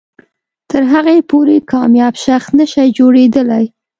تر هغې پورې کامیاب شخص نه شئ جوړېدلی.